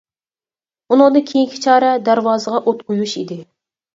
ئۇنىڭدىن كېيىنكى چارە دەرۋازىغا ئوت قويۇش ئىدى.